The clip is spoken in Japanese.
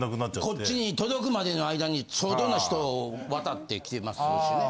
こっちに届くまでの間に相当な人を渡って来てますしね。